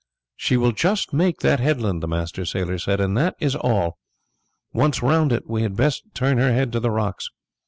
"She will just make that headland," the master sailor said, "and that is all. Once round it we had best turn her head to the rocks.